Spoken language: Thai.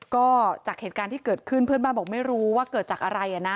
ก็จากเหตุการณ์ที่เกิดขึ้นเพื่อนบ้านบอกไม่รู้ว่าเกิดจากอะไรนะ